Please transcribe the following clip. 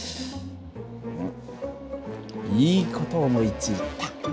うんいい事思いついた。